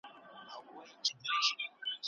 هره شېبه درس د قربانۍ لري